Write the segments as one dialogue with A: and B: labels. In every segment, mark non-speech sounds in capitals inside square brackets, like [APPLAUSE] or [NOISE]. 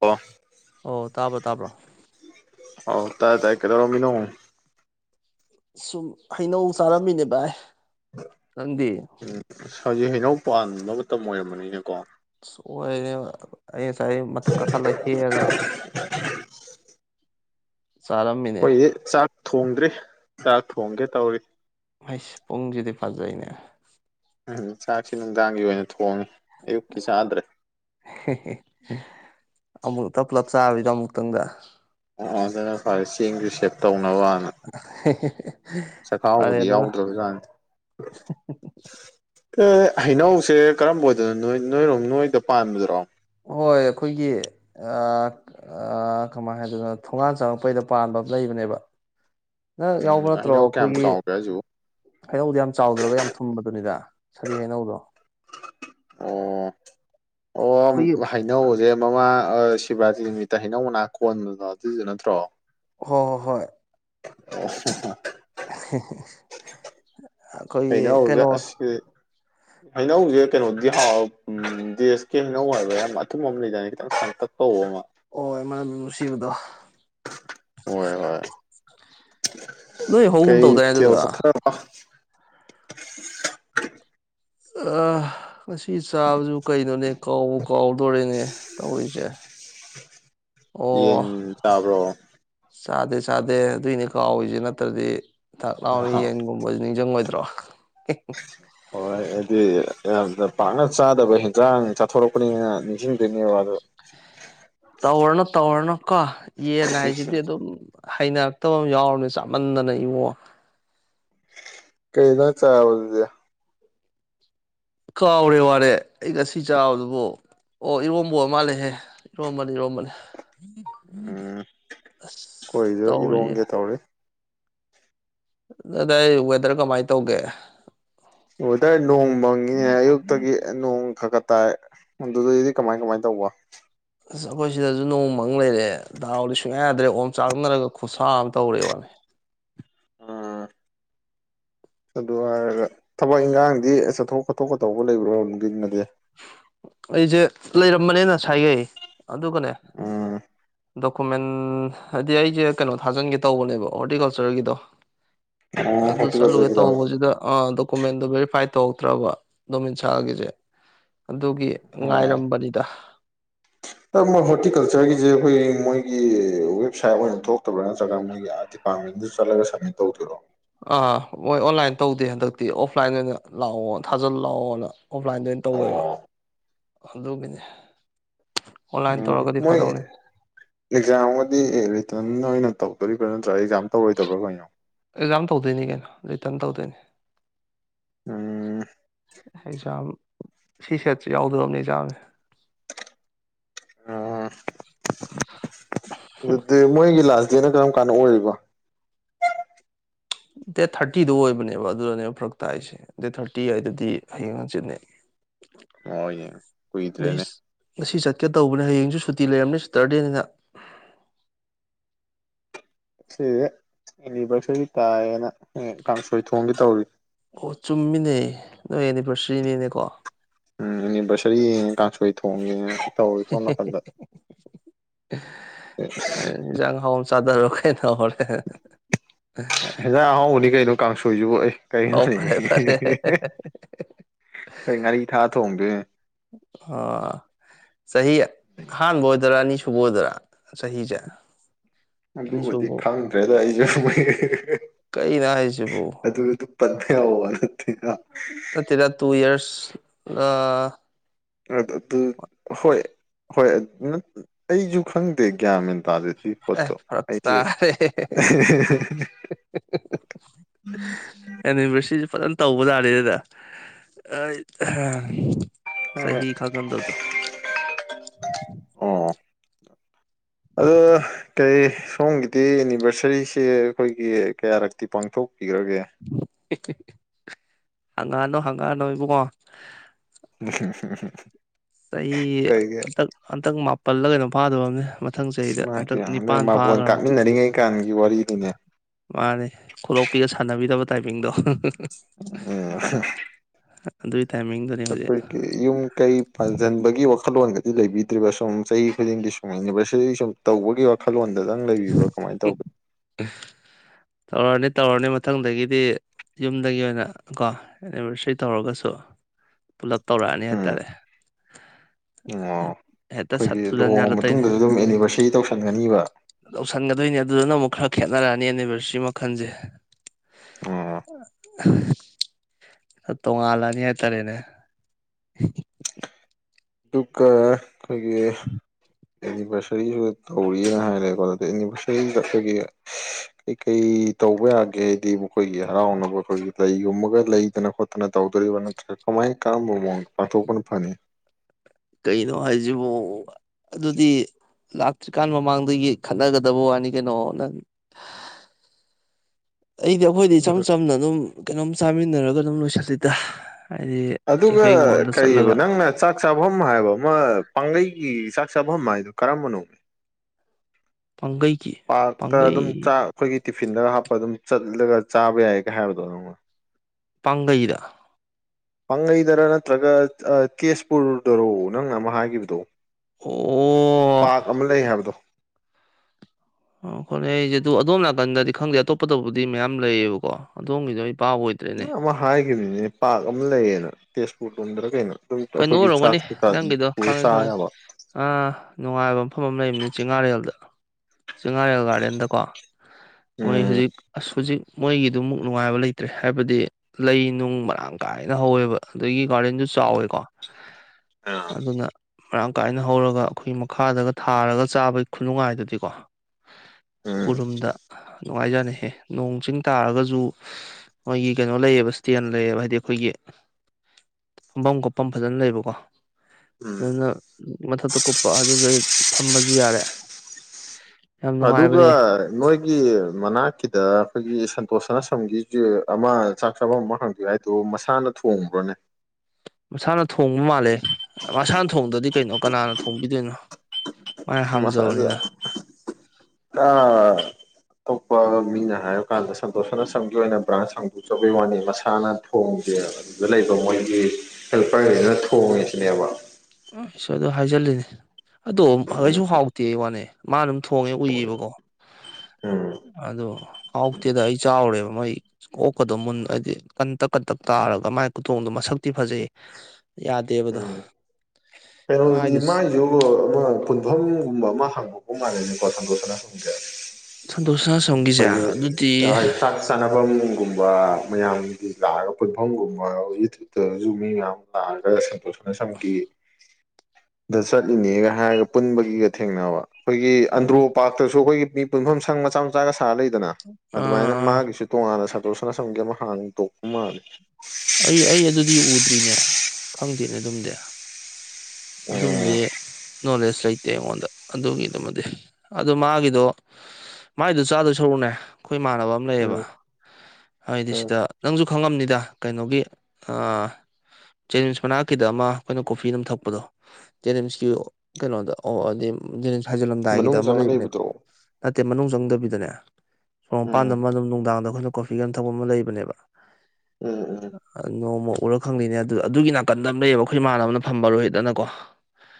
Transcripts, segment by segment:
A: ꯑꯣ
B: ꯑꯣ ꯇꯥꯕꯣ ꯇꯥꯕ꯭ꯔꯣ
A: ꯑꯧ ꯇꯥꯏ ꯇꯥꯏ ꯀꯩꯗꯧꯔꯝꯃꯤꯅꯣ
B: ꯁꯨꯝ ꯍꯩꯅꯧ ꯆꯥꯔꯝꯃꯤꯅꯦ ꯚꯥꯏ ꯅꯪꯗꯤ
A: ꯁ ꯍꯧꯖꯤꯛ ꯍꯩꯅꯧ ꯄꯥꯟꯕ ꯃꯇꯝ ꯑꯣꯏꯔꯝꯃꯅꯤꯅꯦꯀꯣ
B: ꯑꯁ ꯑꯣꯏꯔꯦꯕ ꯑꯩ ꯑꯁꯥꯏ ꯃꯊꯛ ꯀꯥꯈꯠꯂ ꯍꯦꯛꯑꯒ ꯆꯥꯔꯝꯃꯤꯅꯦ
A: ꯈꯣꯏꯗꯤ ꯆꯥꯛ ꯊꯣꯡꯗ꯭ꯔꯤ ꯆꯥꯛ ꯊꯣꯡꯒꯦ ꯇꯧꯔꯤ
B: ꯍꯥꯏꯁ ꯄꯨꯡꯁꯤꯗꯤ ꯐꯖꯩꯅꯦ
A: ꯎꯝ ꯆꯥꯛꯁꯤ ꯅꯨꯡꯗꯥꯡꯒꯤ ꯑꯣꯏꯅ ꯊꯣꯡꯉꯤ ꯑꯌꯨꯛꯀꯤ ꯆꯥꯗ꯭ꯔꯦ
B: ꯍꯦꯍꯦ ꯑꯃꯨꯛꯇ ꯄꯨꯂꯞ ꯆꯥꯔꯤꯗ ꯑꯃꯨꯛꯇꯪꯗ
A: ꯑꯣ ꯑꯗꯨꯅ ꯐꯔꯦ ꯆꯦꯡꯁꯨ ꯁꯦꯞ ꯇꯧꯅꯕꯅ
B: ꯐꯔꯦ
A: ꯆꯈꯥꯎꯕꯨꯗꯤ
B: ꯑꯗꯨꯅ
A: ꯌꯥꯎꯗ꯭ꯔꯕꯖꯥꯅꯤ ꯑꯦ ꯍꯩꯅꯧꯁꯦ ꯀꯔꯝꯕ ꯑꯣꯏꯗꯣꯏꯅꯣ ꯅꯣꯏ ꯅꯣꯏꯔꯣꯝ ꯅꯣꯏꯗ ꯄꯥꯟꯕꯗꯨꯔꯣ
B: ꯍꯣꯏ ꯑꯩꯈꯣꯏꯒꯤ ꯑ ꯑ ꯀꯃꯥꯏꯟ ꯍꯥꯏꯗꯣꯏꯅꯣ ꯊꯣꯡꯉꯥꯟ ꯆꯪꯉꯛꯄꯩꯗ ꯄꯥꯟꯕ ꯑꯝ ꯂꯩꯕꯅꯦꯕ ꯅꯪ
A: ꯎꯝ
B: ꯌꯥꯎꯕ ꯅꯠꯇ꯭ꯔꯣ
A: ꯍꯩꯅꯧ ꯀꯌꯥꯝ
B: ꯑꯩꯈꯣꯏꯒꯤ
A: ꯆꯥꯎꯒꯦ ꯍꯥꯏꯁꯤꯕꯨ
B: ꯍꯩꯅꯧꯗꯣ ꯌꯥꯝ ꯆꯥꯎꯗ꯭ꯔꯒ ꯌꯥꯝ ꯊꯨꯝꯕꯗꯨꯅꯤꯗ ꯁꯕꯤ ꯍꯩꯅꯧꯗꯣ
A: ꯑꯣ ꯑꯣꯝ
B: ꯑꯩꯈꯣꯏꯒꯤ
A: ꯍꯩꯅꯧꯖꯦ ꯃꯃꯥꯡ ꯑ ꯁꯤꯚ꯭ꯔꯥꯇꯤ ꯅꯨꯃꯤꯠꯇ ꯍꯩꯅꯧ ꯃꯅꯥ ꯀꯣꯟꯕꯗꯣ ꯑꯗꯨꯏꯗꯨ ꯅꯠꯇ꯭ꯔꯣ
B: ꯍꯣ ꯍꯣ ꯍꯣꯏ
A: [INAUDIBLE]
B: [UNINTELLIGIBLE] ꯑꯩꯈꯣꯏꯒꯤ
A: ꯍꯩꯅꯧꯖꯦ
B: ꯀꯩꯅꯣ
A: ꯑꯁ ꯏ ꯍꯩꯅꯧꯁꯦ ꯀꯩꯅꯣ ꯗꯤ ꯍꯥꯎ ꯎ ꯗꯦꯁ ꯀꯤ ꯍꯩꯅꯧ ꯍꯥꯏꯕ ꯌꯥꯝ ꯑꯊꯨꯝꯕ ꯑꯃ ꯂꯩꯗꯥꯏꯅꯦ ꯈꯤꯇꯪ ꯊꯨꯝꯇꯛ [UNINTELLIGIBLE]
B: ꯍ ꯃꯅꯝ ꯅꯨꯡꯁꯤꯕꯗꯣ
A: ꯍꯣꯏ ꯍꯣꯏ
B: ꯅꯣꯏ ꯍꯧꯒꯨꯝ ꯇꯧꯗꯥꯏ
A: ꯀꯩꯊꯦꯜ
B: ꯑꯗꯨꯗꯣ
A: ꯆꯠꯊꯔꯕ
B: ꯑꯥ ꯉꯁꯤ ꯆꯥꯕꯁꯨ ꯀꯩꯅꯣꯅꯦ ꯀꯥꯎꯕ ꯀꯥꯎꯗꯣꯔꯤꯅꯦ ꯇꯧꯔꯤꯁꯦ
A: ꯌꯦꯟ
B: ꯑꯣ
A: ꯆꯥꯕ꯭ꯔꯣ
B: ꯆꯥꯗꯦ ꯆꯥꯗꯦ ꯑꯗꯨꯏꯅꯦ ꯀꯥꯎꯏꯁꯦ ꯅꯠꯇ꯭ꯔꯗꯤ ꯆꯥꯛ ꯂꯥꯝꯃꯗꯤꯅ
A: ꯍꯣꯏ
B: ꯌꯦꯟꯒꯨꯝꯕꯁꯨ ꯅꯤꯡꯁꯤꯡꯉꯣꯏꯗ꯭ꯔꯣ
A: ꯍꯣꯏ ꯑꯩꯗꯤ ꯌꯥꯝꯅ ꯄꯥꯛꯅ ꯆꯥꯗꯕ ꯍꯦꯟꯖꯥꯡ ꯆꯥꯊꯣꯔꯛꯄꯅꯤꯅ ꯅꯤꯡꯁꯤꯡꯗꯣꯏꯅꯦꯕ ꯑꯗꯣ
B: ꯇꯧꯔꯅꯨ ꯇꯧꯔꯅꯨ ꯀꯣ ꯌꯦꯟ ꯍꯥꯏꯁꯤꯗꯤ ꯑꯗꯨꯝ ꯍꯩꯅꯔꯛꯇꯕ ꯑꯃ ꯌꯥꯎꯔꯕꯅꯤꯅꯦ ꯆꯥꯃꯟꯗꯅ ꯏꯕꯣ
A: ꯀꯩ ꯏꯟꯁꯥꯡ ꯆꯥꯔꯕ ꯑꯗꯨꯗꯤ
B: ꯀꯥꯎꯔꯦ ꯋꯥꯅꯦ ꯑꯩ ꯉꯁꯤ ꯆꯥꯕꯗꯨꯕ ꯑꯣ ꯏꯔꯣꯝꯕ ꯑꯣꯏ ꯃꯥꯜꯂꯦꯍꯦ ꯏꯔꯣꯝꯕꯅꯤ ꯏꯔꯣꯝꯕꯅꯤ
A: ꯎꯝ
B: ꯑꯁ
A: ꯑꯩꯈꯣꯏꯁꯨ
B: ꯇꯧꯔꯤꯌꯦ
A: ꯏꯔꯣꯡꯒꯦ ꯇꯧꯔꯤ
B: ꯅꯣꯏ ꯑꯗꯥꯏ ꯋꯦꯗꯔ ꯀꯃꯥꯏꯅ ꯇꯧꯒꯦ
A: ꯋꯦꯗꯔ ꯅꯣꯡ ꯃꯪꯉꯤ ꯑꯌꯨꯛꯇꯒꯤ ꯅꯣꯡ ꯈꯔ ꯈ ꯇꯥꯏ [INAUDIBLE] ꯀꯃꯥꯏ ꯀꯃꯥꯏꯅ ꯇꯧꯕ
B: ꯑꯁ ꯑꯩꯈꯣꯏ ꯁꯤꯗꯁꯨ ꯅꯣꯡ ꯃꯪ ꯂꯩꯔꯛꯑꯦ ꯗꯥꯎꯗꯤ ꯁꯨꯡꯌꯥ ꯌꯥꯗ꯭ꯔꯦ ꯑꯣꯝ ꯆꯥꯛꯅꯔꯒ ꯈꯨꯠꯁꯥ ꯑꯃ ꯇꯧꯔꯦꯕꯅꯦ
A: ꯎꯝ ꯑꯗꯨ ꯍꯥꯏꯔꯒ ꯊꯕꯛ ꯏꯪꯈꯥꯡꯗꯤ ꯆꯠꯊꯣꯛ ꯈꯠꯊꯣꯛꯀ ꯇꯧꯕ ꯂꯩꯕ꯭ꯔꯣ ꯅꯨꯡꯊꯤꯟꯗꯗꯤ
B: ꯑꯩꯁꯦ ꯂꯩꯔꯝꯕꯅꯤꯅ ꯉꯁꯥꯏꯈꯩ ꯑꯗꯨꯒꯅꯦ
A: ꯎꯝ
B: ꯗꯣꯀꯨꯃꯦꯟ ꯍꯥꯏꯗꯤ ꯑꯩꯁꯦ ꯀꯩꯅꯣ ꯊꯥꯖꯤꯟꯒꯦ ꯇꯧꯕꯅꯦꯕ ꯍꯣꯔꯇꯤꯀꯜꯆꯔꯒꯤꯗꯣ
A: ꯑꯣ
B: ꯑꯗꯨ ꯆꯠꯂꯨꯒꯦ
A: ꯍꯣꯔꯇꯤꯀꯜꯆꯔꯒꯤꯗꯣ ꯑꯣ
B: ꯇꯧꯕꯁꯤꯗ ꯑ ꯗꯣꯀꯨꯃꯦꯟꯗꯣ ꯚꯦꯔꯤꯐꯥꯏ ꯇꯧꯍꯛꯇ꯭ꯔꯕ ꯗꯣꯃꯤꯁꯥꯏꯜꯒꯤꯁꯦ ꯑꯗꯨꯒꯤ ꯉꯥꯏꯔꯝꯕꯅꯤꯗ
A: ꯃꯣꯏ ꯍꯣꯔꯇꯤꯀꯜꯆꯔꯒꯤꯁꯦ ꯑꯩꯈꯣꯏ ꯃꯣꯏꯒꯤ ꯋꯦꯕꯁꯥꯏꯠ ꯑꯣꯏꯅ ꯊꯣꯛꯇꯕ꯭ꯔꯥ ꯅꯠꯇ꯭ꯔꯒ ꯃꯣꯏꯒꯤ ꯑꯥ [UNINTELLIGIBLE] ꯆꯠꯂꯒ ꯁꯕꯃꯤꯠ ꯇꯧꯗꯨꯏꯔꯣ
B: ꯑꯥ ꯃꯣꯏ ꯑꯣꯟꯂꯥꯏꯟ ꯇꯧꯗꯦ ꯍꯟꯗꯛꯇꯤ ꯑꯣꯐꯂꯥꯏꯟ ꯑꯣꯏꯅ ꯂꯥꯛꯑꯣ ꯊꯥꯖꯜ ꯂꯥꯛꯑꯣꯅ ꯑꯣꯐꯂꯥꯏꯟꯗ ꯑꯣꯏꯅ ꯇꯧꯋꯦꯕ
A: ꯑꯣ
B: ꯑꯗꯨꯒꯤꯅꯤ ꯑꯣꯟꯂꯥꯏꯟ
A: ꯎꯝ
B: ꯇꯧꯔꯒꯗꯤ
A: ꯃꯣꯏ
B: ꯐꯥꯗꯧꯅꯦ
A: ꯑꯦꯛꯖꯥꯝꯒꯗꯤ ꯔꯤꯇꯟ ꯑꯣꯏꯅ ꯇꯧꯗꯣꯔꯤꯕ꯭ꯔꯥ ꯅꯠꯇ꯭ꯔꯒ ꯑꯦꯛꯖꯥꯝ ꯇꯧꯔꯣꯏꯗꯕ꯭ꯔꯥ ꯀꯩꯅꯣ
B: ꯑꯦꯛꯖꯥꯝ ꯇꯧꯗꯣꯏꯅꯤ ꯀꯩꯅꯣ ꯔꯤꯇꯟ ꯇꯧꯗꯣꯏꯅꯤ
A: ꯎꯝ
B: ꯑꯦꯛꯖꯥꯝ ꯁꯤꯁꯦꯠꯁꯨ ꯌꯥꯎꯗꯨꯏ ꯑꯣꯏꯔꯝꯅꯤ ꯑꯦꯛꯖꯥꯝꯁꯦ
A: ꯑ ꯑꯗꯨꯗꯤ ꯃꯣꯏꯒꯤ ꯂꯥꯁ ꯗꯦꯠꯅ ꯀꯔꯝ ꯀꯥꯟꯗ ꯑꯣꯏꯔꯤꯕ
B: ꯗꯦꯠ ꯊꯥꯔꯇꯤꯗ ꯑꯣꯏꯕꯅꯦꯕ ꯑꯗꯨꯗꯅꯦꯕ ꯐꯔꯛ ꯇꯥꯛꯏꯁꯦ ꯗꯦꯠ ꯊꯥꯔꯇꯤ ꯍꯥꯏꯗꯗꯤ ꯍꯌꯦꯡ ꯍꯪꯆꯤꯠꯅꯦ
A: ꯍꯣꯏꯅꯦ ꯀꯨꯏꯗ꯭ꯔꯦꯅꯦ
B: [UNINTELLIGIBLE] ꯉꯁꯤ ꯆꯠꯀꯦ ꯇꯧꯕꯅꯦ ꯍꯌꯦꯡꯁꯨ ꯁꯨꯇꯤ ꯂꯩꯔꯝꯃꯦ ꯁꯦꯇꯔꯗꯦꯅꯤꯅ
A: ꯁꯤꯁꯦ ꯑꯦꯅꯤꯚꯔꯁꯔꯤ ꯇꯥꯏꯌꯦꯅ ꯀꯥꯡꯁꯣꯏ ꯊꯣꯡꯗꯤ ꯇꯧꯔꯤ
B: ꯑꯣ ꯆꯨꯝꯃꯤꯅꯦ ꯅꯣꯏ ꯑꯦꯅꯤꯚꯔꯁꯔꯤꯅꯤꯅꯦꯀꯣ
A: ꯎꯝ ꯑꯦꯅꯤꯚꯔꯁꯔꯤ ꯀꯥꯡꯁꯣꯏ ꯊꯣꯡꯉꯤ
B: ꯏꯟꯖꯥꯡ ꯍꯥꯎꯟ ꯆꯗꯔꯣ ꯀꯩꯗꯧꯔ‌ꯦ
A: ꯍꯦꯟꯖꯥꯡ ꯑꯍꯥꯎꯧꯕꯅꯤ ꯀꯩꯅꯣ ꯀꯥꯡꯁꯣꯏꯁꯤꯕꯨ ꯑ‌ꯦ
B: ꯑꯣ
A: ꯀꯩꯅꯣꯅꯤ
B: ꯐꯔꯦ ꯐꯔꯦ ꯑ
A: ꯈ‌ꯣꯏ ꯉꯥꯔꯤ ꯊꯥꯛꯑ ꯊꯣꯡꯗ‌ꯣꯏꯅ‌ꯦ
B: ꯑꯥ ꯆꯍꯤ ꯑꯍꯥꯟꯕ ꯑꯣꯏꯗꯣꯏꯔꯥ ꯑꯅꯤꯁꯨꯕ ꯑꯣꯏꯗꯣꯏꯔꯥ ꯆꯍꯤꯁꯦ
A: ꯑꯗꯨꯕꯨꯗꯤ
B: ꯑꯅꯤꯁꯨꯕ
A: ꯈꯪꯗ꯭ꯔꯦꯗ ꯑꯩꯁꯨ ꯃ‌ꯣꯏ
B: ꯀꯩꯅꯣ ꯍꯥꯏꯁꯤꯕꯨ
A: ꯑꯗꯨ [UNINTELLIGIBLE]
B: ꯅꯠꯇ‌ꯦꯗ ꯇꯨ ꯏꯌꯥꯔꯁ ꯑꯥ
A: ꯑꯗꯨ ꯍꯣꯏ ꯍꯣꯏ ꯑꯩꯁꯨ ꯈꯪꯗꯦ ꯒ꯭ꯌꯥꯟꯃ‌ꯦꯟ ꯇꯥꯖꯗꯤ
B: ꯑꯦ
A: ꯄ‌ꯣꯠꯇꯣ
B: ꯐꯔꯛ
A: ꯑꯩꯁꯦ
B: ꯇꯥꯔꯦ [INAUDIBLE] ꯑꯦꯅꯤꯚꯔꯁꯔꯤꯁꯤ ꯐꯖꯅ ꯇꯧꯕꯖꯥꯠꯅꯤ ꯑꯗꯨꯗ
A: ꯎꯝ ꯑꯣ ꯑꯗ‌ꯣ ꯀꯩ ꯁꯣꯝꯒꯤꯗꯤ ꯑꯦꯅꯤꯚꯔꯁꯔꯤꯁꯦ ꯑꯩꯈꯣꯏꯒꯤ ꯀꯌꯥꯔꯛꯇꯤ ꯄꯥꯡꯊꯣꯛꯄꯤꯈ꯭ꯔꯒꯦ
B: ꯍꯪꯉꯥꯅꯣ ꯍꯪꯉꯅꯣ ꯏꯕꯨꯨꯡꯉ‌ꯣ
A: [UNINTELLIGIBLE]
B: ꯆꯍꯤ
A: ꯀꯩꯒꯤ
B: ꯍꯟꯇꯛ ꯍꯟꯇꯛ ꯃꯥꯄꯜꯂ ꯀꯩꯅꯣꯝ ꯐꯥꯗꯧꯕ ꯑ‌ꯣꯏꯔꯝꯅꯤ ꯃꯊꯪ
A: ꯑꯁ
B: ꯆꯍꯤꯗ
A: ꯃꯥꯏ
B: ꯍꯟꯗꯛ
A: ꯄꯦꯝꯃ
B: ꯅꯤꯄꯥꯟ
A: ꯃꯥꯕꯣꯟ
B: ꯐꯥꯒ꯭ꯔꯝꯅꯤ
A: ꯀꯥꯞꯃꯤꯟꯅꯔꯤꯉꯩ ꯀꯥꯟꯒꯤ ꯋꯥꯔꯤꯅꯤꯅꯦ
B: ꯃꯥꯅꯦ ꯈꯨꯣꯂꯣꯛꯄꯤꯒ ꯁꯥꯟꯅꯕꯤꯗꯕ ꯇꯥꯏꯃꯤꯡꯗꯣ
A: ꯎꯝ
B: ꯑꯗꯨꯏ ꯇꯥꯏꯃꯤꯡꯗꯨ
A: [UNINTELLIGIBLE] ꯌꯨꯝ ꯀꯩ ꯄꯥꯟꯁꯤꯟꯕꯒꯤ ꯋꯥꯈꯜꯂꯣꯟꯒꯗꯤ ꯂꯩꯕꯤꯗ꯭ꯔꯤꯕ ꯁꯨꯝ ꯆꯍꯤ ꯈꯨꯗꯤꯡꯒꯤ ꯁꯨꯝ ꯑꯦꯅꯤꯚꯔꯁꯔꯤ ꯁꯨꯝ ꯇꯧꯕꯒꯤ ꯋꯥꯈꯜꯂꯣꯟꯗꯇꯪ ꯂꯩꯕꯤꯕ꯭ꯔꯣ ꯀꯃꯥꯏꯅ ꯇꯧꯒꯦ
B: ꯇꯧꯔꯅꯤ ꯇꯧꯔꯅꯤ ꯃꯊꯪꯗꯒꯤꯗꯤ ꯌꯨꯝꯗꯒꯤ ꯑꯣꯏꯅ ꯀꯣ ꯑꯦꯅꯤꯚꯔꯁꯔꯤ ꯇꯧꯔꯒꯁꯨ ꯄꯨꯂꯞ ꯇꯧꯔꯛꯑꯅꯤ
A: ꯎꯝ
B: ꯍꯥꯏꯇꯥꯔꯦ
A: ꯑꯣ
B: ꯍꯦꯛꯇ ꯁꯠ
A: ꯑꯩꯈꯣꯏꯒꯤ
B: ꯊꯨꯖꯟ
A: ꯂꯨꯍꯣꯡꯉ
B: ꯌꯥꯜꯂꯛꯇꯣꯏꯅꯦ
A: ꯃꯇꯨꯡꯗꯁꯨ ꯑꯗꯨꯝ ꯑꯦꯅꯤꯕꯔꯁꯔꯤ ꯇꯧꯁꯟꯒꯅꯤꯕ
B: ꯇꯧꯁꯟꯒꯗꯣꯏꯅꯦ ꯑꯗꯨꯗꯨꯅ ꯑꯃꯨꯛ ꯈꯔ ꯈꯦꯠꯅꯔꯛꯑꯅꯤ ꯑꯦꯅꯤꯚꯔꯁꯔꯤ ꯃꯈꯜꯁꯦ
A: ꯑꯣ
B: ꯇꯣꯉꯥꯜꯂꯅꯤ ꯍꯥꯏꯇꯥꯔꯦꯅꯦ
A: ꯗꯨꯒ ꯑꯩꯈꯣꯏꯒꯤ ꯑꯦꯅꯤꯚꯔꯁꯔꯤꯁꯨ ꯇꯧꯔꯤꯌ‌ꯦ ꯍꯥꯏꯔꯒꯀꯣ ꯑꯦꯅꯤꯚꯔꯁꯔꯤꯁꯨ ꯑꯩꯈ‌ꯣꯏꯒꯤ ꯀꯩ ꯀꯩ ꯇꯧꯕ ꯌꯥꯒꯦ ꯍꯥꯏꯗꯤ ꯃꯈꯣꯏꯒꯤ ꯍꯔꯥꯎꯅꯕ ꯑꯩꯈꯣꯏꯒꯤ ꯂꯩꯒꯨꯝꯕ ꯂꯩꯗꯅ ꯈꯣꯠ ꯇꯅ ꯇꯧꯗꯣꯔꯤꯕ ꯅꯠꯇ꯭ꯔꯒ ꯀꯃꯥꯏ ꯀꯔꯝꯕ ꯃꯑꯣꯡ ꯄꯥꯡꯊꯣꯛꯄꯅ ꯐꯅꯤ
B: ꯀꯩꯅꯣ ꯍꯥꯏꯁꯤꯕꯨ ꯑꯗꯨꯗꯤ ꯂꯥꯛꯇ꯭ꯔꯤꯀꯥꯟ ꯃꯃꯥꯡꯗꯒꯤ ꯈꯟꯅꯒꯗꯕ ꯋꯥꯅꯤ ꯀꯩꯅꯣ ꯅꯪ ꯑꯩꯗꯤ ꯑꯩꯈꯣꯏꯗꯤ ꯏꯆꯝ ꯆꯝꯅ ꯑꯗꯨꯝ ꯀꯩꯅꯣꯝ ꯆꯥꯃꯤꯟꯅꯔꯒ ꯑꯗꯨꯝ ꯂꯣꯏꯁꯤꯂꯤꯗ ꯍꯥꯏꯗꯤ
A: ꯑꯗꯨꯒ
B: ꯀꯦꯐꯦꯒꯨꯝꯕ ꯑꯝꯗ
A: ꯀꯔꯤ ꯕ
B: ꯆꯠꯂꯒ
A: ꯅꯪꯅ ꯆꯥꯛ ꯆꯥꯛ ꯆꯥꯐꯝ ꯍꯥꯏꯕ ꯑꯃ ꯄꯥꯡꯒꯩꯒꯤ ꯆꯥꯛ ꯆꯥꯐꯝ ꯍꯥꯏꯗꯨ ꯀꯔꯝꯕꯅꯣ
B: ꯄꯥꯡꯒꯩꯒꯤ
A: ꯄꯥꯔꯛꯇ ꯑꯗꯨꯝ
B: ꯄꯥꯡꯒꯩ
A: ꯆꯥꯛ ꯑꯩꯈꯣꯏꯒꯤ ꯇꯤꯐꯤꯟꯗꯒ ꯍꯥꯞꯄ ꯑꯗꯨꯝ ꯆꯠꯂꯒ ꯆꯥꯕ ꯌꯥꯏꯒ ꯍꯥꯏꯕꯗꯣ ꯅꯣꯡꯃꯥ
B: ꯄꯥꯡꯒꯩꯗ
A: ꯄꯥꯡꯒꯩꯗꯔ ꯅꯠꯇ꯭ꯔꯒ ꯇꯦꯁꯄꯨꯔꯗꯔꯣ ꯅꯪꯅ ꯑꯃ ꯍꯥꯏꯈꯤꯕꯗꯣ
B: ꯍꯣ
A: ꯄꯥꯛ ꯑꯃ ꯂꯩ ꯍꯥꯏꯕꯗꯣ
B: ꯑꯣ ꯈꯣꯠꯂꯦ ꯑꯩꯁꯦ ꯑꯗꯨ ꯑꯗꯣꯝ ꯅꯥꯀꯟꯗꯗꯤ ꯈꯪꯗꯦ ꯑꯇꯣꯞꯄꯇꯕꯨꯗꯤ ꯃꯌꯥꯝ ꯂꯩꯌꯦꯕꯀꯣ ꯑꯗꯣꯝꯒꯤꯗꯣ ꯑꯩ ꯄꯥꯕ ꯑꯣꯏꯗꯦ
A: ꯑꯃ ꯍꯥꯏꯈꯤꯕꯅꯤꯅꯦ ꯄꯥꯛ ꯑꯃ ꯂꯩꯌꯦꯅ ꯇꯦꯖꯄꯨꯔ ꯂꯣꯝꯗ꯭ꯔ ꯀꯩꯅꯣ ꯑꯗꯨꯝ
B: ꯀꯩꯅꯣ
A: ꯑꯩꯈꯣꯏꯒꯤ ꯆꯥꯛ
B: ꯑꯣꯏꯔꯝꯒꯅꯤ
A: ꯀꯩꯀꯥ ꯑꯗꯨꯝ
B: ꯅꯪꯒꯤꯗꯣ
A: ꯄꯨꯔ
B: ꯈꯪꯉꯦ
A: ꯆꯥ
B: ꯈꯪꯉꯦ
A: ꯌꯥꯕ
B: ꯑꯥ ꯅꯨꯡꯉꯥꯏꯕ ꯃꯐꯝ ꯑꯃ ꯂꯩꯕꯅꯦ ꯆꯤꯡꯉꯥꯔꯦꯜꯗ ꯆꯥꯡꯉꯥꯔꯦꯜ ꯒꯥꯔꯗꯦꯟꯗꯀꯣ ꯃꯣꯏ
A: ꯎꯝ
B: ꯍꯧꯖꯤꯛ ꯑꯁ ꯍꯧꯖꯤꯛ ꯃꯣꯏꯒꯤꯗꯨꯃꯨꯛ ꯅꯨꯡꯉꯥꯏꯕ ꯂꯩꯇ꯭ꯔꯦ ꯍꯥꯏꯕꯗꯤ ꯂꯩ ꯅꯨꯡ ꯃꯔꯥꯡ ꯀꯥꯏꯅ ꯍꯧꯋꯦꯕ ꯑꯗꯨꯗꯒꯤ ꯒꯥꯔꯗꯦꯟꯁꯨ ꯆꯥꯎꯋꯦꯀꯣ ꯑꯗꯨꯅ ꯃꯔꯥꯡ ꯀꯥꯏꯅ ꯍꯧꯔꯒ ꯑꯩꯈꯣꯏꯒꯤ ꯃꯈꯥꯗꯒ ꯊꯥꯔꯒ ꯆꯥꯕꯒꯤ ꯈꯨꯅꯨꯡꯉꯥꯏꯗꯨꯗꯤꯀꯣ
A: ꯎꯝ
B: ꯎꯔꯨꯝꯗ ꯅꯨꯡꯉꯥꯏꯖꯅꯦꯍꯦ ꯅꯣꯡ ꯆꯤꯡ ꯇꯥꯔꯒꯁꯨ ꯃꯣꯏꯒꯤ ꯀꯩꯅꯣ ꯂꯩꯌꯦꯕ ꯏꯁꯇꯦꯟ ꯂꯩꯌꯦꯕ ꯍꯥꯏꯗꯤ ꯑꯩꯈꯣꯏꯒꯤ ꯐꯝꯐꯝ ꯐꯖꯅ ꯂꯩꯕꯀꯣ
A: ꯎꯝ
B: ꯑꯗꯨꯅ ꯃꯊꯛꯇ ꯀꯨꯞꯄ ꯑꯗꯨꯗꯩ ꯐꯝꯃꯁꯨ ꯌꯥꯔꯦ ꯌꯥꯝ
A: ꯑꯗꯨꯒ
B: ꯅꯨꯡꯉꯥꯏꯕꯅꯦ
A: ꯅꯣꯏꯒꯤ ꯃꯅꯥꯛꯀꯤꯗ ꯑꯩꯈꯣꯏꯒꯤ ꯁꯟꯇꯣꯁ ꯁꯅꯁꯝꯒꯤꯁꯨ ꯑꯃ ꯆꯥꯛ ꯆꯥꯕꯝ ꯑꯃ ꯍꯥꯡꯗꯣꯛꯏ ꯍꯥꯏ ꯑꯗꯨ ꯃꯁꯥꯅ ꯊꯣꯡꯕ꯭ꯔꯣꯅꯦ
B: ꯃꯁꯥꯅ ꯊꯣꯡꯕ ꯃꯥꯜꯂꯦ ꯃꯁꯥꯅ ꯊꯣꯡꯗ꯭ꯔꯗꯤ ꯀꯩꯅꯣ ꯀꯅꯥꯅ ꯊꯣꯡꯕꯤꯗꯣꯏꯅꯣ ꯃꯥꯅ
A: ꯃꯁꯥꯖ
B: ꯍꯥꯡꯖꯕꯅꯤꯅ
A: ꯑ ꯑꯇꯣꯞꯄ ꯃꯤꯅ ꯍꯥꯏꯔ ꯀꯥꯟꯗ ꯁꯟꯇꯣ ꯁꯅꯁꯝꯒꯤ ꯑꯣꯏꯅ ꯕ꯭ꯔꯥꯟꯁ ꯍꯥꯡꯗꯣꯛꯆꯕꯒꯤ ꯋꯥꯅꯤ ꯃꯁꯥꯅ ꯊꯣꯡꯗꯦ ꯑꯗꯨꯗ ꯂꯩꯕ ꯃꯣꯏꯒꯤ ꯍꯦꯜꯄꯔꯁꯤꯅ ꯊꯣꯡꯉꯤꯁꯤꯅꯦꯕ
B: ꯑꯁ ꯑꯗ ꯍꯥꯏꯖꯤꯜꯂꯤꯅꯤ ꯑꯗꯣ
A: ꯎꯝ
B: ꯀꯩꯁꯨ ꯍꯥꯎꯇꯦ ꯋꯥꯅꯦ ꯃꯥ ꯑꯗꯨꯝ ꯊꯣꯡꯉꯦ ꯎꯏꯌꯦꯕꯀꯣ
A: ꯎꯝ
B: ꯑꯗꯣ ꯍꯥꯎꯇꯦꯗ ꯑꯩ ꯆꯥꯎꯔꯦꯕ ꯃꯣꯏ ꯀꯣꯛꯀꯗꯣ ꯃꯨꯟ ꯍꯥꯏꯗꯤ ꯀꯟ ꯇꯛ ꯀꯟ ꯇꯛ ꯇꯥꯔꯒ ꯃꯥꯥꯏ ꯈꯨꯇꯣꯡꯗꯣ ꯃꯁꯛꯇꯤ ꯐꯖꯩ ꯌꯥꯗꯦꯕꯗꯣ
A: ꯀꯩꯅꯣꯗꯗꯤ
B: ꯃꯥꯏꯗꯣ
A: ꯃꯥꯏ ꯑꯃ ꯄꯨꯟꯐꯝꯒꯨꯝꯕ ꯑꯃ ꯍꯥꯡꯗꯣꯛꯄ ꯃꯥꯜꯂꯤꯅꯤꯀꯣ ꯁꯟꯗꯣꯁꯅꯥꯁꯝ
B: ꯁꯟꯇꯣꯁ ꯁꯅꯁꯝ ꯒꯤꯁꯦ ꯑꯗꯨꯗꯤ
A: ꯆꯥꯟꯅꯐꯝꯒꯨꯝꯕ ꯃꯌꯥꯝꯒꯤ ꯂꯥꯛꯑꯒ ꯄꯨꯟꯐꯝꯒꯨꯝꯕꯒꯤ ꯎꯠꯇ꯭ꯔꯁꯨ ꯃꯤ ꯃꯌꯥꯝ ꯂꯥꯛꯑꯒ ꯁꯟꯇꯣꯁ ꯁꯅꯥꯁꯝꯒꯤ ꯗ ꯆꯠꯂꯤꯅꯦꯒ ꯍꯥꯏꯔꯒ ꯄꯨꯟꯕꯒꯤꯒ ꯊꯦꯡꯅꯕ ꯑꯩꯈꯣꯏꯒꯤ ꯑꯟꯗ꯭ꯔꯣ ꯄꯥꯔꯇꯁꯨ ꯑꯩꯈꯣꯏꯒꯤ ꯃꯤ ꯄꯨꯟꯐꯝ ꯁꯪ ꯃꯆꯥ ꯃꯆꯥꯒ ꯁꯥꯔ ꯂꯩꯗꯅ ꯑꯗꯨꯃꯥꯏꯅ
B: ꯑꯥ
A: ꯃꯥꯒꯤꯁꯨ ꯇꯣꯉꯥꯟꯅ ꯁꯥꯇꯣꯁ ꯁꯥꯅꯁꯝꯒꯤ ꯑꯃ ꯍꯥꯡ ꯇꯣꯛꯄ ꯃꯥꯜꯂꯦ
B: ꯑꯩ ꯑꯩ ꯑꯗꯨꯗꯤ ꯎꯗ꯭ꯔꯤꯅꯦ ꯈꯪꯗꯦꯅꯦ ꯑꯗꯨꯝꯗꯤ ꯑꯗꯨꯝꯗꯤ
A: ꯎꯝ
B: ꯅꯣꯂꯦꯖ ꯂꯩꯇꯦ ꯑꯩꯉꯣꯟꯗ ꯑꯗꯨꯒꯤꯗꯨꯃꯗꯤ ꯑꯗꯨ ꯃꯥꯒꯤꯗꯣ ꯃꯥꯏꯗꯣ ꯆꯥꯗꯣꯏ ꯁꯔꯨꯛꯅꯦ ꯑꯩꯈꯣꯏ ꯏꯥꯟꯅꯕ ꯂꯩꯌꯦꯕ ꯍꯥꯏꯗꯤ
A: ꯎꯝ
B: ꯁꯤꯗ ꯅꯪꯁꯨ ꯈꯪꯉꯝꯅꯤꯗ ꯀꯩꯅꯣꯒꯤ ꯑꯥ ꯆꯦꯅꯤꯁ ꯃꯅꯥꯛꯀꯤꯗ ꯑꯃ ꯑꯩꯈꯣꯏꯅ ꯀꯣꯐꯤ ꯑꯗꯨꯝ ꯊꯛꯄꯗꯣ꯫ ꯖꯦꯅꯤꯝꯁꯀꯤ ꯀꯩꯅꯣꯗ ꯑꯣ ꯑꯗꯤ ꯖꯦꯅꯤꯝꯁ ꯍꯥꯏꯖꯤꯜꯂꯝꯗꯥꯏꯒꯤꯗ
A: ꯃꯅꯨꯡ
B: ꯑꯃ
A: ꯆꯪꯉ
B: ꯂꯩꯕꯅꯦꯕ꯫
A: ꯂꯩꯕꯗꯨꯔꯣ
B: ꯅꯠꯇꯦ ꯃꯅꯨꯡ ꯆꯪꯗꯕꯤꯗꯅꯦ ꯁꯣꯝ ꯃꯄꯥꯟꯗ
A: ꯎꯝ
B: ꯑꯃ ꯑꯗꯨꯝ ꯅꯨꯡꯗꯥꯡꯗ ꯑꯩꯈꯣꯏꯅ ꯀꯣꯐꯤꯒ ꯑꯃ ꯊꯛꯄ ꯑꯃ ꯂꯩꯕꯅꯦꯕ꯫
A: ꯎꯝ ꯎꯝ꯫
B: ꯅꯣꯡꯃ ꯎꯔ ꯈꯪꯅꯤꯅꯦ ꯑꯗꯨ ꯑꯗꯨꯒꯤ ꯅꯥꯀꯟꯗ ꯑꯃ ꯂꯩꯌꯦꯕ ꯑꯩꯈꯣꯏ ꯏꯃꯥꯟꯅꯕꯅ ꯐꯝꯕ ꯔꯣꯍꯤꯠ ꯍꯅꯀꯣ꯫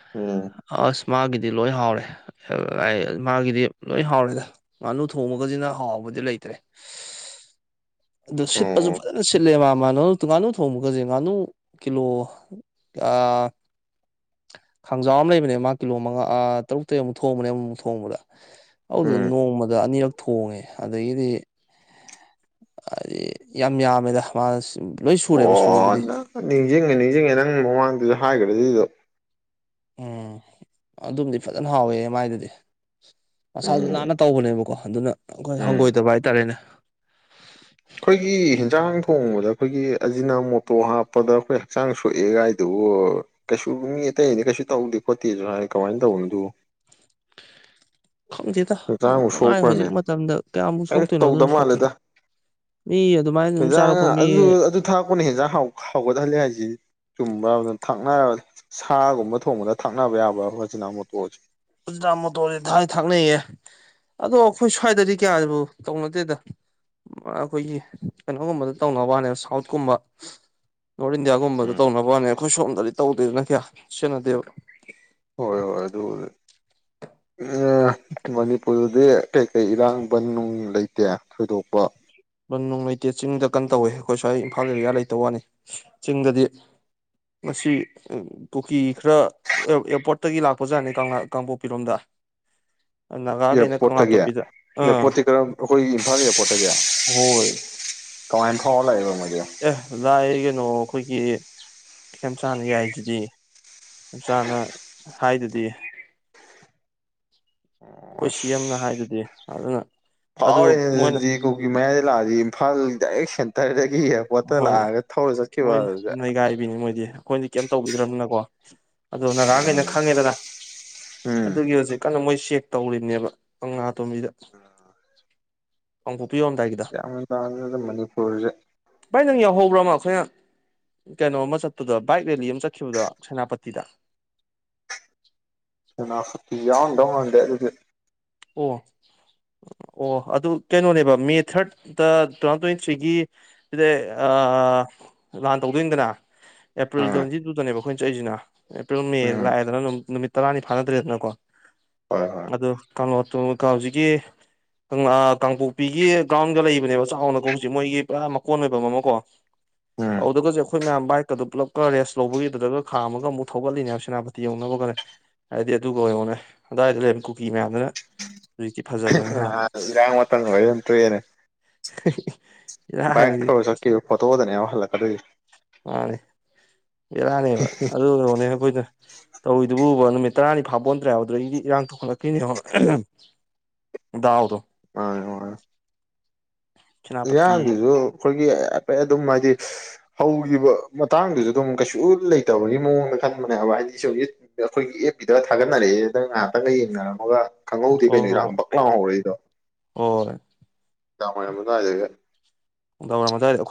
A: ꯎꯝ ꯎꯝ
B: ꯑꯁ ꯃꯥꯒꯤꯗꯤ ꯂꯣꯏ ꯍꯥꯎꯔꯦ ꯃꯥꯒꯤꯗꯤ ꯂꯣꯏ ꯍꯥꯎꯔꯦꯗ꯫ ꯉꯥꯅꯨ ꯊꯣꯡꯕꯒꯁꯤꯅ ꯍꯥꯎꯕꯗꯤ ꯂꯩꯇ꯭ꯔꯦ ꯑꯗꯨ ꯁꯤꯠꯄꯁꯨ
A: ꯑꯣ
B: ꯐꯖꯅ ꯁꯤꯠ ꯁꯤꯠꯂꯦ ꯃꯥꯃ ꯉꯥꯅꯨ ꯉꯥꯅꯨ ꯊꯣꯡꯕꯒꯁꯦ ꯉꯥꯅꯨ ꯀꯤꯂꯣ ꯀ꯭ꯌꯥ ꯈꯥꯡꯖꯥꯎ ꯑꯃ ꯂꯩꯕꯅꯦ ꯃꯥ ꯀꯤꯂꯣ ꯃꯉꯥ ꯑꯥ ꯇꯔꯨꯛꯇ ꯑꯃꯨꯛ ꯊꯣꯡꯕꯅꯦ ꯑꯃꯨꯛꯃꯨꯛ ꯊꯣꯡꯕꯗ꯫ ꯑꯗꯨꯗꯨ
A: ꯎꯝ
B: ꯅꯣꯡꯃꯗ ꯑꯅꯤꯔꯛ ꯊꯣꯡꯉꯦ ꯑꯗꯒꯤꯗꯤ ꯍꯥꯏꯗꯤ ꯌꯥꯝ ꯌꯥꯝꯃꯦꯗ ꯃꯥꯅ ꯂꯣꯏ ꯁꯨꯔꯦꯕ ꯁꯨ
A: ꯑꯣ ꯅ ꯅꯤꯡꯁꯤꯡꯉꯦ ꯅꯤꯡꯁꯤꯡꯉꯦ ꯅꯪ ꯃꯃꯥꯡꯗꯁꯨ ꯍꯥꯏꯈ꯭ꯔꯦ ꯑꯗꯨꯗꯣ꯫
B: ꯎꯝ ꯑꯗꯨꯝꯗꯤ ꯐꯖꯅ ꯍꯥꯎꯋꯦ ꯃꯥꯏꯗꯨꯗꯤ꯫ ꯃꯁꯥꯁꯨ
A: ꯎꯝ
B: ꯅꯥꯟꯅ ꯇꯧꯕꯅꯦꯕꯀꯣ ꯑꯗꯨꯅ ꯑꯩꯈꯣꯏ
A: ꯎꯝ
B: ꯍꯪꯒꯣꯏꯗꯕ ꯍꯥꯏꯇꯥꯔꯦꯅꯦ꯫
A: ꯑꯩꯈꯣꯏꯒꯤ ꯍꯦꯟꯖꯥꯡ ꯊꯣꯡꯕꯗ ꯑꯩꯈꯣꯏꯒꯤ ꯑꯖꯤꯅꯥꯃꯣꯇꯣ ꯍꯥꯞꯄꯗ ꯑꯩꯈꯣꯏ ꯍꯛꯆꯥꯡ ꯁꯣꯛꯑꯦ ꯒꯥꯏꯗꯨꯕꯨ ꯀꯩꯁꯨ ꯃꯤ ꯑꯇꯩ ꯅꯗꯤ ꯀꯩꯁꯨ ꯇꯧꯗꯦ ꯈꯣꯠꯇꯦꯁꯨ ꯍꯥꯏ ꯀꯃꯥꯏꯅ ꯇꯧꯕꯅꯣꯗꯨ꯫
B: ꯈꯪꯗꯦꯗ
A: ꯍꯛꯆꯥꯡꯕꯨ
B: ꯄꯨꯡꯉꯥꯏ ꯍꯧꯖꯤꯛ
A: ꯁꯣꯛꯄ꯭ꯔꯅꯦ
B: ꯃꯇꯝꯗ ꯀꯌꯥꯃꯨꯛ
A: ꯀꯩꯝ
B: ꯁꯣꯛꯇꯣꯏꯅꯣ
A: ꯇꯧꯗ
B: ꯑꯗꯨꯅꯣ ꯁꯣꯛꯇꯣꯏꯅꯣ꯫
A: ꯃꯥꯜꯂꯦꯗ
B: ꯃꯤ ꯑꯗꯨꯃꯥꯏꯅ ꯑꯗꯨꯝ ꯆꯥꯔꯛꯄ
A: ꯍꯦꯟꯖꯥꯡ
B: ꯃꯤ
A: ꯑꯗꯨ ꯑꯗꯨ ꯊꯥꯛꯄꯅ ꯍꯦꯟꯖꯥꯡ ꯍꯥꯎ ꯍꯥꯎꯒꯠꯍꯜꯂꯦ ꯍꯥꯏꯁꯤ ꯆꯨꯝꯕ꯭ꯔꯥꯕ ꯊꯥꯛꯅ ꯁꯥꯒꯨꯝꯕ ꯊꯣꯡꯕꯗ ꯊꯥꯛꯅꯕ ꯌꯥꯕ꯭ꯔꯕ ꯑꯖꯤꯅꯥꯃꯣꯇꯣꯁꯦ꯫
B: ꯑꯖꯤꯅꯥꯃꯣꯇꯣꯁꯦ ꯊꯥꯏ ꯊꯥꯛꯅꯩꯌꯦ꯫ ꯑꯗꯣ ꯑꯩꯈꯣꯏ ꯁ꯭ꯋꯥꯏꯗꯗꯤ ꯀꯌꯥꯕꯨ ꯇꯧꯅꯗꯦꯗ꯫ ꯃ ꯑꯩꯈꯣꯏꯒꯤ ꯀꯩꯅꯣꯒꯨꯝꯕꯗ ꯇꯧꯅꯕ ꯋꯥꯅꯦꯕ ꯁꯥꯎꯠꯀꯨꯝꯕ꯫ ꯅꯣꯔꯠ ꯏꯟꯗꯤꯌꯥꯒꯨꯝꯕꯗ ꯇꯧꯅꯕ ꯋꯥꯅꯦ ꯑꯩꯈꯣꯏ ꯁꯣꯝꯗꯗꯤ ꯇꯧꯗꯦꯗꯅ ꯀꯌꯥ ꯁꯤꯟꯅꯗꯦꯕ꯫
A: ꯍꯣꯏ ꯍꯣꯏ ꯑꯗꯨꯕꯨꯗꯤ꯫ ꯃꯅꯤꯄꯨꯔꯗꯗꯤ ꯀꯩ ꯀꯩ ꯏꯔꯥꯡ ꯕꯟꯅꯨꯡ ꯂꯩꯇꯦ ꯊꯣꯏꯗꯣꯛꯄ꯫
B: ꯕꯟꯅꯨꯡ ꯂꯩꯇꯦ ꯆꯤꯡꯗ ꯀꯟꯅ ꯇꯧꯋꯦ ꯑꯩꯈꯣꯏ ꯁ꯭ꯋꯥꯏ ꯏꯝꯐꯥꯜ ꯑꯦꯔꯤꯌꯥ ꯂꯩꯇꯕ ꯋꯥꯅꯤ ꯆꯤꯡꯗꯗꯤ ꯉꯁꯤ ꯀꯨꯀꯤ ꯈꯔ ꯑꯦꯌꯥꯔꯄꯣꯔꯠꯇꯒꯤ ꯂꯥꯛꯄꯖꯥꯠꯅꯦ ꯀꯥꯡꯂꯥ ꯀꯥꯡꯄꯣꯛꯄꯤꯔꯣꯝꯗ꯫ ꯅꯥꯒꯥꯈꯩꯅ ꯀꯪꯂꯥ
A: ꯏꯌꯥꯔꯄꯣꯔꯠꯇꯒꯤ
B: ꯇꯣꯄꯤꯗ ꯑꯥ
A: ꯏꯌꯥꯔꯄꯣꯔꯠꯇꯤ ꯀꯔꯝ ꯑꯩꯈꯣꯏꯒꯤ ꯏꯝꯐꯥꯜ ꯏꯌꯥꯔꯄꯣꯔꯠꯇꯒꯤ꯫
B: ꯍꯣꯏ꯫
A: ꯀꯃꯥꯏꯅ ꯐꯥꯎꯔ ꯂꯥꯛꯏꯕ ꯃꯣꯏꯗꯤ꯫
B: ꯑꯦ ꯂꯥꯛꯏ ꯀꯩꯅꯣ ꯑꯩꯈꯣꯏꯒꯤ ꯈ‌ꯦꯝꯆꯥꯟꯅ ꯌꯥꯏꯁꯤꯗꯤ꯫ ꯈ‌ꯦꯝꯆꯥꯥꯟꯅ ꯍꯥꯏꯗꯨꯗꯤ꯫
A: ꯑꯣ
B: ꯑꯈꯣꯏ ꯁꯤ ꯑꯦꯝꯅ ꯍꯥꯏꯗꯨꯗꯤ ꯑꯗꯨꯅ ꯑꯗꯨ ꯃꯣꯏꯅ
A: ꯑꯗꯨꯒꯤ ꯃꯌꯥꯏꯗ ꯂꯥꯛꯑꯗꯤ ꯏꯝꯐꯥꯜꯗꯒꯤ ꯗꯥꯏꯔꯦꯛ ꯁꯦꯟꯇꯔꯗꯒꯤ ꯏꯌꯥꯔꯄꯣꯔꯠꯇ ꯂꯥꯛꯑꯒ ꯊꯧꯔ ꯆꯠꯈꯤꯕ ꯑꯗꯨꯗꯤ꯫
B: ꯒꯥꯏꯕꯤꯅꯤ ꯃꯣꯏꯗꯤ꯫ ꯑꯈꯣꯏꯗꯤ ꯀꯩꯝ ꯇꯧꯕꯤꯗ꯭ꯔꯕꯅꯤꯅꯀꯣ ꯑꯗꯣ ꯅꯥꯒꯥꯈꯩꯅ ꯈꯪꯉꯦꯗꯅ
A: ꯎꯝ
B: ꯑꯗꯨꯒꯤ ꯍꯧꯖꯤꯛ ꯀꯟꯅ ꯃꯣꯏ ꯆꯦꯛ ꯇꯧꯔꯤꯕꯅꯦꯕ ꯀꯪꯂꯥꯇꯣꯝꯕꯤꯗ ꯀꯥꯡꯄꯣꯛꯄꯤ ꯍꯧꯔꯝꯗꯥꯏꯒꯤꯗ‌꯫
A: ꯒꯌꯥꯟ ꯇꯥꯗ꯭ꯔ‌ꯦꯗ ꯃꯅꯤꯄꯨꯔꯁꯦ꯫
B: ꯕꯥꯏ ꯅꯪ ꯌꯥꯎꯍꯧꯕ꯭ꯔ ꯑꯃ ꯑꯩꯈꯣꯏꯅ ꯀꯩꯅꯣ ꯑꯃ ꯆꯠꯄꯗ‌ꯣ ꯕꯥꯏꯛ ꯔꯦꯂꯤ ꯑꯃ ꯆꯠꯈꯤꯕꯗꯣ ꯁꯦꯅꯥꯄꯇꯤꯗ꯫
A: ꯁꯦꯅꯥꯄꯇꯤ ꯌꯧꯔꯝꯗꯧ ꯃꯟꯗ‌ꯦ ꯑꯗꯨꯗꯤ꯫
B: ꯑꯣ꯫ ꯑꯣ ꯑꯗꯨ ꯀꯩꯅꯣꯅꯦꯕ ꯃꯦ ꯊꯥꯔꯗꯠꯇ ꯇꯨ ꯊꯥꯎꯖꯟ ꯇ꯭ꯋꯦꯟꯇꯤ ꯊ꯭ꯔꯤꯒꯤ ꯂꯩ ꯑꯥ ꯂꯥꯟ ꯇꯧꯗꯣꯏꯅꯤꯗꯅ ꯑꯦꯄ꯭ꯔꯤꯜ
A: ꯎꯝ
B: ꯇ꯭ꯋꯦꯟꯇꯤ ꯇꯨꯗꯅꯦꯕ ꯑꯩꯈꯣꯏꯅ ꯆꯠꯂꯤꯖꯤꯅ ꯑꯦꯄ꯭ꯔꯤꯜ ꯃ‌ꯦ
A: ꯎꯝ
B: ꯂꯥꯛꯑꯦꯗꯅ ꯑꯗꯨꯝ ꯅꯨꯃꯤꯠ ꯇꯔꯥꯅꯤ ꯐꯥꯅꯗ꯭ꯔꯦꯗꯅꯀꯣ
A: ꯍꯣꯏ ꯍꯣꯏ
B: ꯑꯗꯨ ꯀꯪꯂꫭꯇꯣ ꯀ ꯍꯧꯖꯤꯛꯀꯤ ꯀꯪꯂ ꯀꯥꯡꯄꯣꯛꯄꯤꯒꯤ ꯒ꯭ꯔꯥꯎꯟꯒ ꯂꯩꯕꯅꯦꯕ ꯆꯥꯎꯅꯀꯣ ꯍꯧꯖꯤꯛ ꯃꯣꯏꯒꯤ ꯄꯨꯔꯥ ꯃꯀꯣꯟ ꯑꯣꯏꯚꯝ ꯑꯃ ꯀꯣ
A: ꯎꯝ
B: ꯑꯗꯨꯗꯒꯖ‌ꯦ ꯑꯩꯈꯣꯏ ꯃꯌꯥꯝ ꯕꯥꯏꯛꯀꯗ‌ꯣ ꯄꯨꯂꯞꯀ ꯔꯦꯁ ꯂꯧꯕꯒꯤ ꯑꯗꯨꯗꯒ ꯈꯥꯝꯃꯒ ꯑꯃꯨꯛ ꯊꯧꯒꯠꯂꯤꯅꯦꯕ ꯁ‌ꯦꯅꯥꯄ ꯄꯥꯇꯤ ꯌꯧꯅꯕꯒꯅꯦ ꯍꯥꯏꯗꯤ ꯑꯗꯨꯒ ꯌ‌ꯦꯡꯉ‌ꯣꯅꯦ ꯑꯗꯨꯋꯥꯏꯗ ꯂꯩꯕ ꯀꯨꯀꯤ ꯃꯌꯥꯝꯗꯨꯅ ꯅ‌ꯣꯏꯗꯤ ꯐꯖꯔꯦ
A: ꯏꯔꯥꯡ‌ ꯃꯇꯝꯒ ꯑ‌ꯣꯏꯔꯗꯤ ꯑꯗꯨꯝ ꯇ‌ꯣꯛꯑꯦꯅ‌ꯦ
B: [UNINTELLIGIBLE]
A: ꯕꯥꯏꯛ ꯊꯧꯔ ꯆꯠꯈꯤꯕ ꯐꯣꯇꯣꯗꯅꯦꯕ ꯍꯜꯂꯛꯀꯗꯣꯏꯖ‌ꯦ
B: ꯃꯥꯅꯦ ꯕ‌ꯦꯔꯥꯅꯦꯕ ꯑꯗꯨ ꯌ‌ꯦꯡꯉ‌ꯣꯅꯦ ꯑꯩꯈꯣꯏꯗ ꯇꯧꯔꯤꯗꯨꯕꯨꯕ ꯅꯨꯃꯤꯠ ꯇꯔꯥꯅꯤ ꯐꯥꯄ‌ꯣꯟꯗ꯭ꯔꯦ ꯍꯥꯏꯕ ꯑꯗꯨꯗꯩꯗꯤ ꯏꯔꯥꯡ ꯊꯣꯛꯀꯠꯂꯛꯈꯤꯅꯦ ꯗꯥꯎꯗꫭ
A: ꯑ ꯌ‌ꯦꯡꯉ‌‌ꯣ
B: ꯁꯦꯅꯥꯄꯇꯤ
A: ꯏꯔꯥꯡꯗꯨꯖꯨ ꯑꯩꯈꯣꯏꯒꯤ ꯍꯥꯏꯐꯦꯠ ꯑꯗꯨꯝ ꯍꯥꯏꯗꯤ ꯍꯧꯒꯤꯕ ꯃꯇꯥꯡꯗꯨꯖꯨ ꯑꯗꯨꯝ ꯀꯩꯁꯨ ꯂꯩꯇꯕꯒꯤ ꯃꯑꯣꯡꯗ ꯈꯟꯕꯅꯦꯕ ꯍꯥꯏꯗꯤ ꯏꯁꯣꯖꯤꯠ ꯑꯩꯈꯣꯏꯒꯤ ꯑꯦꯞ ꯕꯤꯗꯒ ꯊꯥꯒꯠꯅꯔꯛꯑꯦꯗꯅ ꯉꯥꯏꯍꯥꯛꯇꯪꯒ ꯌꯦꯡꯅꯔꯝꯃꯒ ꯈꯪꯍꯧꯗꯦ ꯀꯩꯅꯣ ꯏꯔꯥꯡ ꯕꯛ ꯂꯥꯎ ꯍꯧꯔꯛꯏꯗꯣ
B: ꯑꯣ
A: ꯅꯨꯡꯗꯥꯡꯋꯥꯏꯔꯝ ꯑꯗꯥꯏꯗꯒ
B: ꯅꯨꯡꯗꯥꯡꯋꯥꯏꯔꯝ ꯑꯗꯥꯏꯗ